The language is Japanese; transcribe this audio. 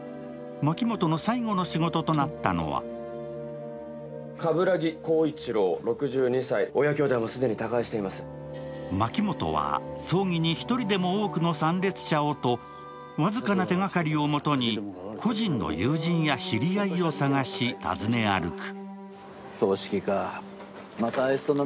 牧本の最後の仕事となったのは牧本は葬儀に１人でも多くの参列者をと、僅かな手がかりをもとに故人の知り合いや友人を探し訪ね歩く。